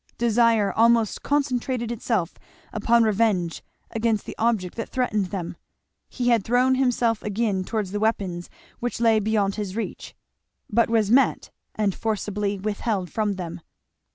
Desire almost concentrated itself upon revenge against the object that threatened them. He had thrown himself again towards the weapons which lay beyond his reach, but was met and forcibly withheld from them.